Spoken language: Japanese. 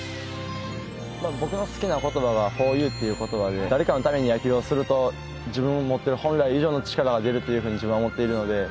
僕の好きなことばは「Ｆｏｒｙｏｕ」ということばで誰かのために野球をすると、自分の持ってる本来以上の力が出るというふうに自分は思っているので。